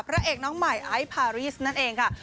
พระเอกน้องใหม่ไอซ์พารีสนั่นเองค่ะ